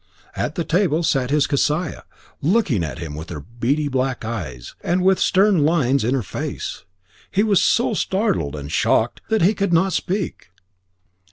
At the table sat his Kesiah, looking at him with her beady black eyes, and with stern lines in her face. He was so startled and shocked that he could not speak.